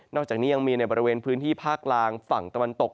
อกจากนี้ยังมีในบริเวณพื้นที่ภาคล่างฝั่งตะวันตก